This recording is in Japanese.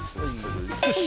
よし。